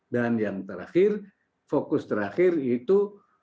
dan yang terakhir fokus terakhir itu